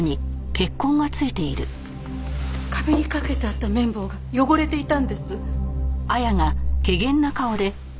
壁に掛けてあった麺棒が汚れていたんです。